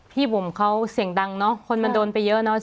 บุ๋มเขาเสียงดังเนอะคนมันโดนไปเยอะเนอะ